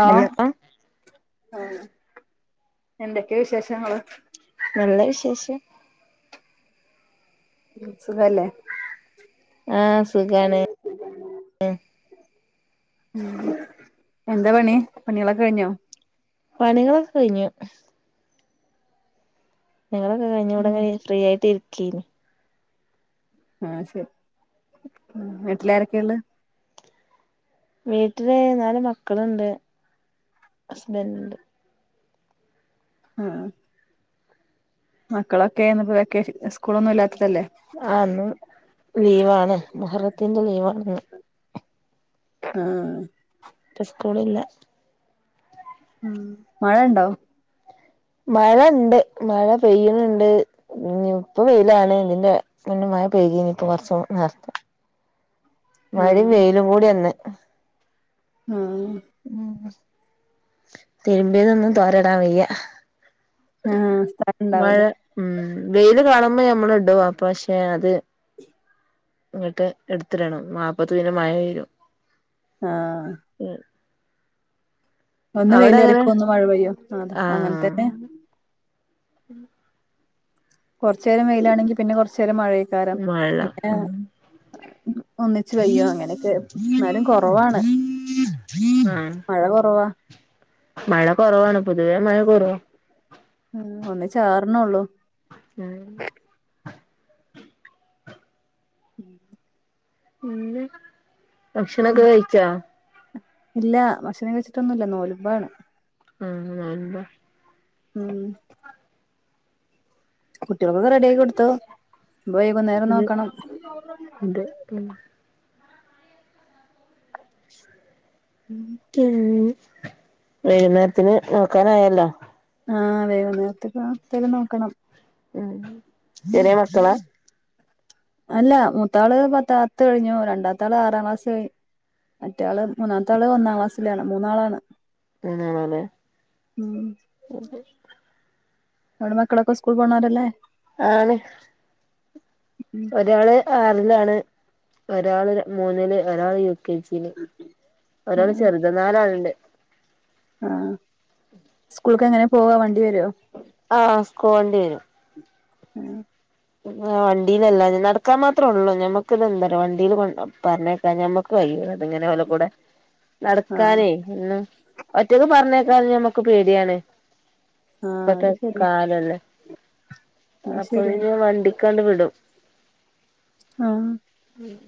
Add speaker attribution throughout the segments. Speaker 1: ആ എന്തൊക്കെയ വിശേഷങ്ങള്
Speaker 2: നല്ല വിശേഷം
Speaker 1: സുഖല്ലേ
Speaker 2: ആഹ് സുഖാണ്
Speaker 1: എന്താ പണി പണികളൊക്കെ കഴിഞ്ഞോ
Speaker 2: പണികളൊക്കെ കഴിഞ്ഞു നിങ്ങളൊക്കെ കഴിഞ്ഞ ഇൂടെങ്ങനെ ഫ്രീ ആയിട്ട് ഇരിക്കന്
Speaker 1: ആഹ ശരി വീട്ടിലാരൊക്കെയ ഉള്ള
Speaker 2: വീട്ടില് നാല് മക്കളുണ്ട് ഹസ്ബൻഡ ഉണ്ട്
Speaker 1: ആഹ മക്കളൊക്കെ ഇപ്പോ വക്ക സ്കൂളൊന്നും ഇല്ല
Speaker 2: ആന്ന് ലീവാണ് മഹറത്തിന്റെ ലീവാ ആണ
Speaker 1: ആഹ
Speaker 2: പ്ര സ്കോള ഇല്ല
Speaker 1: ഉ മഴ ഉണ്ടോ
Speaker 2: മഴ ഉണ്ട് മഴ പെയ്യുന്നുണ്ട് ഇപ്പ പെയിലാണ് ഇതിന്റെ മ പൈകപ്പ കൊറച്ച നേർത്ത
Speaker 1: [unintelligible]
Speaker 2: മഴ വെയിലും കൂടി എന്നന്ന്െ
Speaker 1: ആഹ [unintelligible]
Speaker 2: ഉ രുമ്പിയതൊന്നും തോരടാ വയ്യ
Speaker 1: ആഹ സ്ഥലം
Speaker 2: മഴ
Speaker 1: ഇണ്ടാവല്ലേ
Speaker 2: ഉം വെയില് കാണുമ്പോ നഞമ്മൾ ഇടുവാ പക്ഷെ അത് ഇങ്ങിട്ട് എടുത്തിരണം മാപ്പത്ത പിനെ മഴ പെയരും
Speaker 1: ആഹ ഒന്ന്
Speaker 2: അവിടെ
Speaker 1: വെയില
Speaker 2: എങ്ങനെ
Speaker 1: ഇറിക്കോ ഒന്ന് മഴ പെയ്യോ അതാ അങ്ങനെത്തന്നെ
Speaker 2: ഉം
Speaker 1: കുറച്ച നേേരം വെയിലാണെങ്കി പിന്നെ കൊറച്ച നേരം മഴക്കാരം
Speaker 2: മഴ
Speaker 1: പിന്നെ
Speaker 2: ആഹ്
Speaker 1: ഒന്നിച്ചച്ച് വയ്യോ അങ്ങനെയൊക്കെ എന്നാലും കുറവാണ് മഴ കുറവാ
Speaker 2: മഴ കുറവാണ് പൊതുവേ മഴ കുറവ
Speaker 1: ചാറിണേ ഉള്ളൂ
Speaker 2: ഉഹ [unintelligible]
Speaker 1: ഉം [inaudible]
Speaker 2: ഉ ഭക്ഷണൊക്കെ കഴിച്ചാ
Speaker 1: ഇല്ല ഭക്ഷണം കഴിച്ചിട്ടൊന്നുമല്ല നോലമ്പാണ്
Speaker 2: ആഹ നന്ത
Speaker 1: ഉം ചറക്കൊക്കെ റെഡി ആാക്കി കൊടുത്തുയി കൊുന്നേരം
Speaker 2: ഇത്
Speaker 1: നോക്കണം
Speaker 2: ഇത് ഉം ഉ വൈകുന്നേരത്തിന് നോക്കാനായല്ലോ
Speaker 1: ആഹ് വേക നേരത്തെപ്പ വര് നോക്കണം
Speaker 2: ഉം ചന മക്കളാ
Speaker 1: അല്ല മൂത്താള് പത്ത പത്ത് കഴിഞ്ഞു രണ്ടാത്താള് ആറാം ക്ലാസ് കഴഞ്ഞു മറ്റാള് മൂന്നാമത്തെ ആള് ഒന്നാം ക്ലാസ്സിലാണ് മൂന്നാളാണ്
Speaker 2: നാണല്ലേ
Speaker 1: ഉം അവിടെ മക്കളൊക്കെ സ്കൂൾ പോവണല്ലേ
Speaker 2: ആന ഒരാള് ആറിലാണ് ഒരാള് മൂന്നില് ഒരാള് യ ചേച്ചിന് ഒരാള്
Speaker 1: ആഹ്
Speaker 2: ചെറുത നാലാളണ്ട്
Speaker 1: സ്കൂളക്കെ എങ്ങനെ പോവാ വണ്ടി വരുോ
Speaker 2: ആഹ സ്കോളണ്ടി വരും
Speaker 1: ഉം
Speaker 2: ആ വണ്ടിയിലല്ല ഞ നടക്കാൻ മാത്രേ ഉള്ളൂ ഞമ്മക്കിത്െന്താ പറ വണ്ടീൽ കൊ പറഞ്ഞേക്കാ ഞമ്മക്ക് കയ്യോ അങ്ങനെ വല്ല കൂടെ
Speaker 1: ആഹ്
Speaker 2: നടക്കാനേ ഒറ്റക്കെ പറഞ്ഞേക്കാ ഞമ്മക്ക പേടിയാണ്
Speaker 1: ആഹ്
Speaker 2: ഇപ്പത്തെ
Speaker 1: അത് ശരി
Speaker 2: കാലല്ലേ
Speaker 1: അത്
Speaker 2: അപ്പൊഴ്
Speaker 1: ശരിയാണ്
Speaker 2: വണ്ടിക്കാണ്ട് വിടും
Speaker 1: ആഹ
Speaker 2: ഉം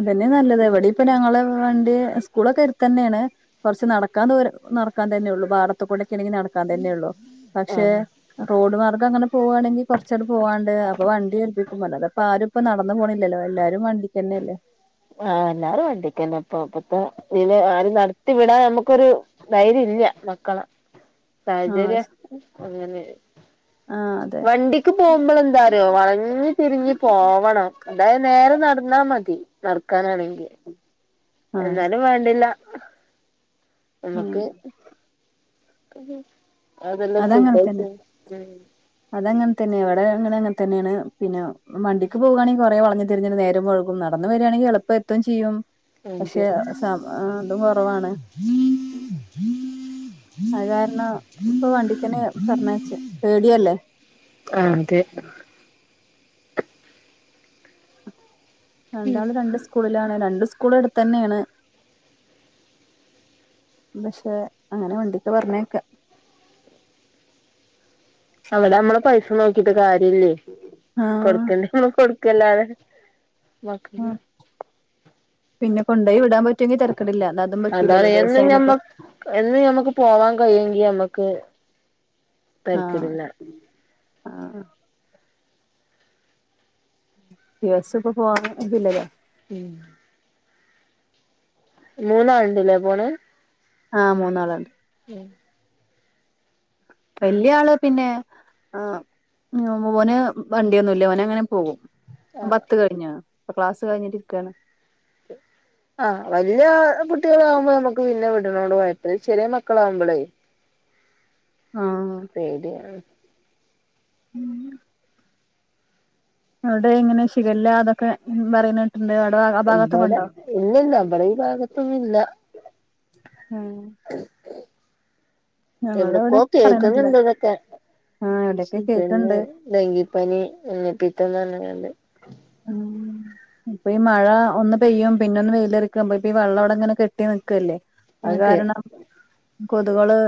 Speaker 1: അതന്നെ നല്ലത് ഇവിടെ ഇപ്പൊ ഞങ്ങള് വണ്ടി സ്കൂളൊക്കെ ഇവിടെ തന്നെയാണ് കുറച്ച് നടക്കാൻ ദൂരം നടക്കാൻ തന്നെ ഉള്ളൂ പാടത്തുകൂടെ എനിക്ക് നടക്കാൻ തന്നെയ ഉള്ളൂ പക്ഷേ
Speaker 2: ആഹ്
Speaker 1: റോഡ് മാർഗ്ഗം അങ്ങനെ പോവുവാണെങ്കിൽ കൊറച്ചൂടെ പോവാണ്ട് അപ്പൊ വണ്ടിരു അപ്പൊ ആരും ഇപ്പൊ നടന്ന് പോണില്ലല്ലോ എല്ലാരും വണ്ടിക്കന്നെ അല്ലേ
Speaker 2: ആഹ എല്ലാരും വണ്ടിക്കന്നെ ഇപ്പപ്പത്തെ ദിനംആരും നടത്തി വിടാൻ നമുക്കൊരു ധൈര്യം ഇല്ല മക്കള
Speaker 1: ആഹ്
Speaker 2: സാഹചര്യം അങ്ങനെ
Speaker 1: ആഹ് അതെ
Speaker 2: വണ്ടിക്ക് പോകുമ്പോൾ എന്താരോ വണങ്ങി തിരിഞ്ഞി പോവണം അതായത് നേരെ നടന്ന മതി നടക്കാനാണെങ്കിൽ
Speaker 1: ആഹ്
Speaker 2: എന്നാലും വേണ്ടില്ല
Speaker 1: ഉം
Speaker 2: നമുക്ക് അതെല്ല സന്തോഷം ഉം
Speaker 1: അത അങ്ങനെ തന്നെയ എവിടെ അങ്ങനെ അങ്ങനെ തന്നെയാണ് പിന്നെ വണ്ടിക്ക് പോകവാണെങ്കിൽ കുറെേ വളഞ്ഞ് തിരിഞ്ഞ് നേരം വൈകും നടന്ന് വരികയാണെങ്കിൽ എളപ്പ എത്തും ചെയ്യും
Speaker 2: അതെ
Speaker 1: പക്ഷെ സ അതും കുറവാണ് അത് കാരണം ഇപ്പൊ വണ്ടിക്കനെ പറഞ്ഞയച്ച പേടിയല്ലേ
Speaker 2: അ അതെ
Speaker 1: രണ്ടാള് രണ്ട് സ്കൂളിലാണ് രണ്ടു സ്കൂള് അടുത്ത് തന്നെയാണ് പക്ഷെ അങ്ങനെ വണ്ടിക്ക് പറഞ്ഞേക്കെ
Speaker 2: അവിടെ നമ്മള് പൈസ നോക്കിട്ട് കാര്യല്ലേ
Speaker 1: ആഹ്
Speaker 2: കൊടുക്കണ്ട നമ്മള് കൊടു ക്കല്ലാണ്
Speaker 1: ഉ പിന്നെ കൊണ്ടോയി വിടാൻ പറ്റുമെങ്കി തര
Speaker 2: അതാണ് എന്നും ഞമ്മക്ക് എന്നും ഞമ്മക്ക് പോവാൻ കഴിയുമെങ്കി മ്മക്ക്
Speaker 1: ആഹ ആഹ ദിവസ ഇപ്പ പോവാൻ ഇതില്ലല്ലോ
Speaker 2: ഉം മൂന്ന് ആളുണ്ടല്ലേ പോണേ
Speaker 1: ആഹ മൂന്നാളുണ്ട്
Speaker 2: ഉം
Speaker 1: വല്യ ആള് പിന്നെ ആ ഉ ഓന് വണ്ടിയൊന്നുമല്ല ഓന് അങ്ങനെ പോകും
Speaker 2: ആ ആ
Speaker 1: പത്ത് കഴിഞ്ഞ ഇപ്പൊ ക്ലാസ് കഴിഞ്ഞിട്ടിരിക്കയാണ്
Speaker 2: ആഹ് വല്യ കുട്ടികളാകുമ്പോ നമ്മുക്ക് പിന്നെ പ്രായത്തില് ചെറിയ മക്കളാവുമ്പളേ
Speaker 1: ആഹ്
Speaker 2: പേടിയാണ്
Speaker 1: ഉം അവിടെ ഇങ്ങനെ ഷിഗല്ല അതൊക്കെ പറയന്
Speaker 2: ഇവിടെ ഇല്ലല്ല നമ്മടെ ഈ ഭാഗത്തൊന്നും ഇല്ല
Speaker 1: ഹം
Speaker 2: എവിടക്കോ
Speaker 1: പറയണിട്ടില്ല
Speaker 2: കേൾക്കുന്നുണ്ട് ഇതൊക്കെ
Speaker 1: ആ ഇവിടെയൊക്കെ
Speaker 2: ഇതെന്നെ
Speaker 1: കേക്കണ്ട്
Speaker 2: പിന്നെ ഡങ്കിപ്പനി മഞ്ഞപ്പത്ത
Speaker 1: ആം ഇപ്പൊ ഈ മഴ ഒന്ന് പെയ്യും പിന്നൊന്ന് വെയിലെറക്കും ഇപ്പൊ ഈ വെള്ളം അവിടെ ഇങ്ങനെ കെട്ടി നിക്കല്ലേ അത്
Speaker 2: അതെ
Speaker 1: കാരണം കൊതുകള്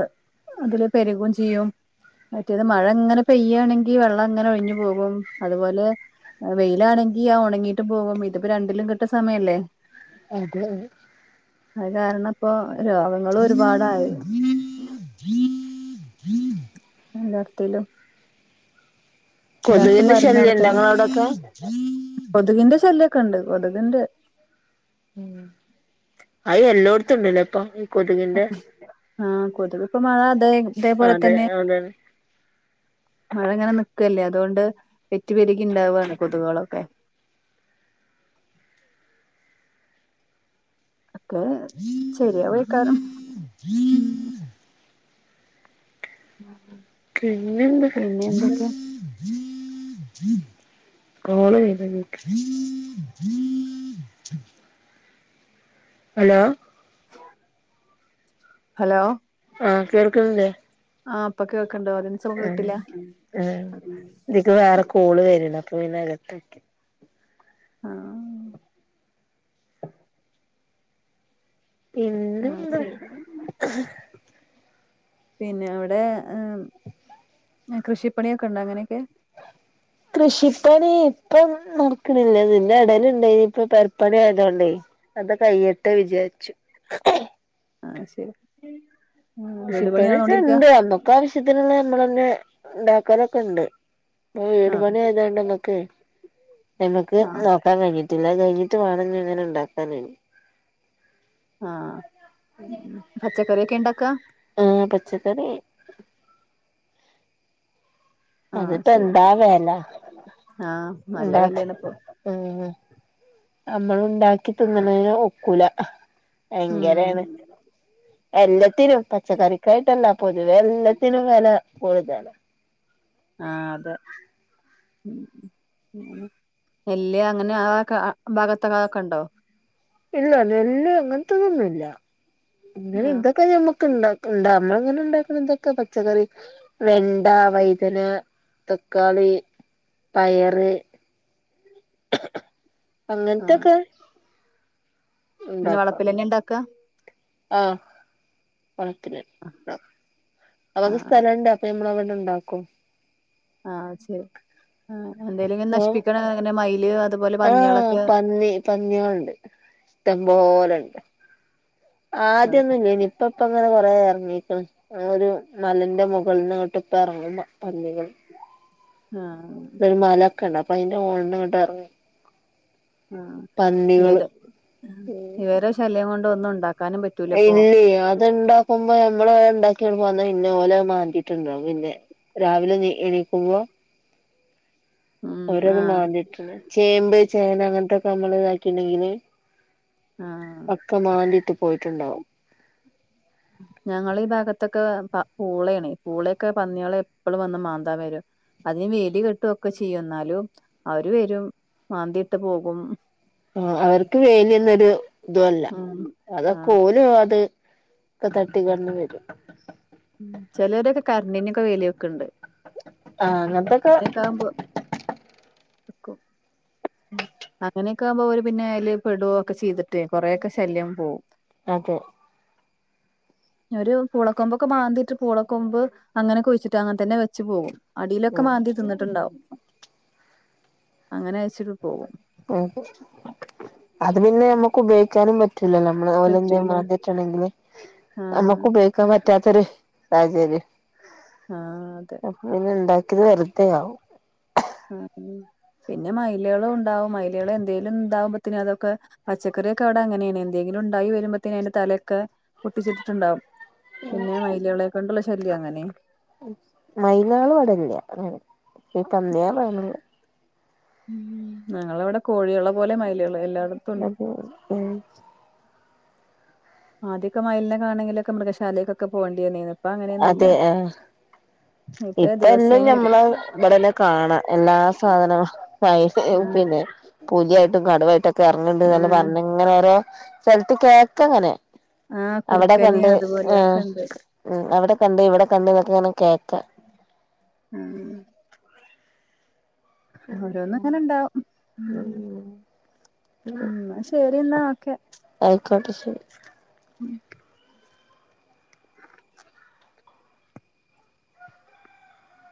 Speaker 1: അതില് പെരുകയും ചെയ്യും മറ്റേത് മഴ അങ്ങനെ പെയ്യയാണെങ്കി വെള്ളം അങ്ങനെ ഒഴിഞ്ഞു പോകും അതുപോലെ വെയി ലാണെങ്കി ആ ഉണങ്ങിട്ടും പോകും ഇതിപ്പോ രണ്ടിലും കെട്ട സമയല്ലേ
Speaker 2: അതെ
Speaker 1: അത് കാരണം ഇപ്പൊ രോഗങ്ങളും ഒരുപാടായി ല്ലാർത്തിലും എല്ലായിടത്തും
Speaker 2: കൊതുകിന്റെ ശല്യം ഇണ്ടോ
Speaker 1: പരുന്നടക്കല്ലേ
Speaker 2: ഇങ്ങളെ അവിടൊക്കെ
Speaker 1: കൊതുകിന്റെ ശല്യ ഒക്കണ്ട് കൊതുകിന്റെ
Speaker 2: ഉംഅയി എല്ലോടത്തും ഉണ്ടല്ലോ ഇപ്പം ഈ കൊതുകിന്റെ
Speaker 1: ആഹ കൊതുക് ഇപ്പം മഴ അതെന്ന്
Speaker 2: അതെ അതെ
Speaker 1: അത് ഇങ്ങനെ നിക്കല്ലേ അതുകൊണ്ട് പെറ്റുപെരുകി ഇണ്ടാവാണ് കൊതുകുകളൊക്കെ [unintelligible] ഓക്കെ ശരിയാവുമിക്കാറും ഉം ഉം
Speaker 2: പിന്നെന്താ [inaudible] [inaudible] കോൾ വരുന്നു നിക്ക് [inaudible] [unintelligible] ഹലോ
Speaker 1: ഹലോ
Speaker 2: ആ കേൾക്കുന്നില്ലേ
Speaker 1: ആ ഇപ്പ കേൾകാം
Speaker 2: ഉം ഉം ഇതുക്കെ വേറെ കോൾ വരണ് അപ്പൊ ഇതിനകത്തേക്ക്
Speaker 1: ആ ആ
Speaker 2: പിന്നെന്താ
Speaker 1: ശരി പിന്നെ അവിടെ ഏ കൃഷിപ്പണിയൊക്കെ ഉണ്ടോ അങ്ങനെയൊക്കെ
Speaker 2: കൃഷിപ്പണി ഇപ്പം നോക്കണില്ല ഇതിന്റെടെല് ഉണ്ടെനി ഇപ്പ പെരപ്പണി ആയോണ്ടേ അത് കയ്യട്ടേ വിചാരിച്ചു
Speaker 1: ആ ശരി ഉം
Speaker 2: പക്ഷെ ഇപ്പഴ്വെച്ച എന്ത് നമ്മക്ക് ആവശ്യത്തിനുള്ള നമ്മൾ തന്നെ ഒണ്ടാക്കലൊക്കെ ഒണ്ട് ഈ
Speaker 1: ആ
Speaker 2: വീട്‌പണി ആയതോണ്ട് നമ്മക്ക് നമ്മക്ക്
Speaker 1: ആ
Speaker 2: നോക്കാൻ കയിഞ്ഞിട്ടില്ല കയിഞ്ഞിട്ട് വേണം ഇങ്ങനെ ഉണ്ടാക്കാനായിട്ട്
Speaker 1: ആ പച്ചക്കറിയോക്കെ ഇണ്ടാക്കാ
Speaker 2: ആ പച്ചക്കറി
Speaker 1: ആ
Speaker 2: അതിപ്പോ
Speaker 1: ശരി
Speaker 2: എന്താ വെല
Speaker 1: ആ നല്ല
Speaker 2: ഉണ്ടാ
Speaker 1: വെലയാണ് ഇപ്പൊ
Speaker 2: ഉം നമ്മൾ ഉണ്ടാക്കി തിന്നണതിന് ഒക്കൂല
Speaker 1: ഉം
Speaker 2: ഭയങ്കരാണ് എല്ലാത്തിനും പച്ചക്കറിക്കായിട്ടല്ല പൊതുവെ എല്ലാത്തിനും വെല കൂടുതലാ
Speaker 1: ആ അത് നെല്ല് അങ്ങനെ അ ക്ക ആഭാഗത്തക്കെ അതൊക്കെ ഒണ്ടോ
Speaker 2: ഇല്ല. നെല്ല് അങ്ങനത്തെ ഒന്നും മില്ല പിന്നെ
Speaker 1: ആ
Speaker 2: ഇതൊക്കെ ഞമ്മ ക്കെ ഇണ്ടാക്കുണ്ട് നമ്മങ്ങനെ ഉണ്ടാകുന്നതൊക്കെ പച്ചക്കറി വെണ്ട വൈതന തക്കാളി പയറ്
Speaker 1: [inaudible]
Speaker 2: അങ്ങനത്തൊക്കെ
Speaker 1: അങ്ങനെ വളപ്പില്തന്നെ ഇണ്ടാക്കാ
Speaker 2: ആ വളപ്പിന്
Speaker 1: ആ
Speaker 2: അവക്ക്
Speaker 1: ആ
Speaker 2: സ്ഥലോണ്ട് അപ്പൊ നമ്മളിങ്ങനെ ഇണ്ടാക്കും
Speaker 1: ആ ചെ ആ എന്തേലിങ്ങനെ നശിപ്പിക്കണ അങ്ങനെ മയില് അതുപോലെ
Speaker 2: ആ
Speaker 1: പന്നികളൊക്കെ
Speaker 2: പന്നി. പന്നിയോളുണ്ട് ഇഷ്ടംപോലെ ഒണ്ട്
Speaker 1: അതെ
Speaker 2: ആദ്യൊന്നുംഇല്ലെനി ഇപ്പ ഇപ്പം അങ്ങനെ കൊറേ ഇറങ്ങീക്കണ് ഒരു മലേന്റെ മുകളിനിങ്ങോട്ട് ഇപ്പ എറങ്ങും പ പന്നികള്
Speaker 1: ആഹ
Speaker 2: ഒരു മലൊക്കെ ഒണ്ട് അപ്പൊ അതിന്റെ മോളീന്നിങ്ങട്ട്.
Speaker 1: ഉം ഇതൊരു ഇവരെ ശല്യം കൊണ്ടൊന്നു ഉണ്ടാക്ക
Speaker 2: ഇല്ലെ അത് ഇണ്ടാക്കുമ്പോ. നമ്മള് ഉണ്ടാക്കി വരുമ്പോ അന്നാ ഇന്നപോലെ മാന്തിയിട്ടുണ്ടാവും പിന്നെ രാവിലെ എണീ എണീക്കുമ്പോ.
Speaker 1: ഉം
Speaker 2: ഓരോന്ന്
Speaker 1: ആഹ്
Speaker 2: മാന്തിയിട്ട് ചേമ്പ് ചേന അങ്ങനത്തൊക്കെ നമ്മള് ആക്കിയിട്ടുണ്ടെങ്കിൽ.
Speaker 1: ആഹ്
Speaker 2: ഒക്കെ മാന്തിട്ട് പോയിട്ടുണ്ടാവും.
Speaker 1: ഉം ഞങ്ങള് ഭാഗത്തൊക്കെ പ പൂളെയാണ്, പൂളയൊക്കെ പന്നികളെ എപ്പോഴും വന്ന് മാന്താൻ വരും. അതിന് വേലി കെട്ടും ഒക്കെ ചെയ്യും എന്നാലും അവര് വരും മാന്തിയിട്ട് പോകും.
Speaker 2: ആഹ് അവർക്ക് വേലിയൊന്നൊരു ഇതല്ല
Speaker 1: ഉം
Speaker 2: അതൊക്കെ
Speaker 1: ആഹ്
Speaker 2: ഓലും അത്. ഇപ്പ തട്ടി കൊണ്ട് വരും.
Speaker 1: ഉം ചിലരൊക്കെ കരണ്ടിന്റെ ഒക്കെ വേലിവെക്കുണ്ട്.
Speaker 2: ആ അങ്ങനത്തൊക്കെ
Speaker 1: കും അങ്ങനെയൊക്കെ ആമ്പോ ഓര് പിന്നെ അതില് പെടുക ഒക്കെ ചെയ്തിട്ടേ കൊറെയൊക്കെ ശല്യം പോവും.
Speaker 2: അതെ
Speaker 1: [inaudible] ഒരു പൂളക്കൊമ്പൊക്കെ മാന്തിയിട്ട് പൂളക്കൊമ്പ് അങ്ങനെ കുഴിച്ചിട്ട് അങ്ങനെ തന്നെ വെച്ച് പോകും. അടിയിലൊക്കെ
Speaker 2: ഉം
Speaker 1: മാന്തി തിന്നിട്ടുണ്ടാവും അങ്ങനെ അച്ചിട്ട് പോകും.
Speaker 2: ഉം അത് പിന്നെ നമ്മുക്ക് ഉപയോഗിക്കാനും. പറ്റില്ലല്ലോ നമ്മള് ഓലെ അങ്ങനെ
Speaker 1: പറ്റൂല
Speaker 2: മാന്തിയിട്ടുണ്ടെങ്കിലും
Speaker 1: ആഹ്
Speaker 2: നമുക്ക് ഉപയോഗിക്കാൻ പറ്റാത്ത ഒരു. അതു ശരി.
Speaker 1: ആഹ് അതെ.
Speaker 2: ഇത് വെറുതെയാവും.
Speaker 1: ആഹ് പിന്നെ മയിലുകളും ഉണ്ടാവും മയിലുകൾ എന്തേലും ഇതാകുമ്പത്തെ അതൊക്കെ പച്ചക്കറിയൊക്കെ അവിടെ അങ്ങനെയാണ് എന്തെങ്കി ഉണ്ടായി വരുമ്പോഴത്തേന് അതിന്റെ തലയൊക്കെ പൊട്ടിച്ചിട്ടിട്ടുണ്ടാവും. പിന്നെ മയിലുകളെ കൊണ്ടുള്ള ശല്യം അങ്ങനെയാ.
Speaker 2: മയിലുകളും ഇവിടെയില്ല അങ്ങനെ ഈ പന്നിയോ മൃഗങ്ങളോ.
Speaker 1: ഉം ഞങ്ങൾ ഇവിടെ കോഴിയുള്ള പോലെ മയിലുകൾ.
Speaker 2: അതെ ഉം
Speaker 1: ആദ്യമൊക്കെ മയിലിന് കാണണമെങ്കിൽ ഒക്കെ മൃഗശാലയിൽ ഒക്കെ പോകേണ്ട വന്നേനെ. ഇപ്പൊ അങ്ങനെയൊന്നുമല്ല.
Speaker 2: അതെ ആ ഇപ്പ എല്ലാം ഞമ്മള് ഇവിടെ എല്ലാ കാണാം എല്ലാ സാധനങ്ങളും മയില് പിന്നെ. പുലിയായിട്ടും കടുവായിട്ടൊക്കെ ഇറങ്ങിണ്ട്
Speaker 1: ആഹ്
Speaker 2: എന്നുപറഞ്ഞു ഇങ്ങനെ ഓരോ സ്ഥലത്ത് കേക്കാം അങ്ങനെ.
Speaker 1: ആഹ്
Speaker 2: അവിടെ
Speaker 1: കുറുക്കന്
Speaker 2: കണ്ട്
Speaker 1: അതുപോലെയൊക്കെ ഉണ്ട്
Speaker 2: ഉം അവിടെ. കണ്ട് ഇവിടെ കണ്ട് എന്നൊക്കെങ്ങനെ കേക്കാം.
Speaker 1: ഉം ഓരോന്നും അങ്ങനെണ്ടാവും.
Speaker 2: ഉം
Speaker 1: ഉം അന്നാ ശരി എന്നാ ഒക്കെ.
Speaker 2: ക്കട്ട ശരി.
Speaker 1: ഉം